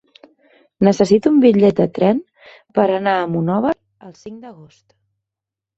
Necessito un bitllet de tren per anar a Monòver el cinc d'agost.